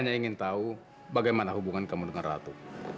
saya ingin tahu bagaimana hubungan kamu dengan ratu